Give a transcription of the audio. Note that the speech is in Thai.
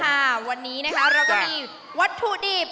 ค่ะวันนี้นะคะเราก็มีวัตถุดิบ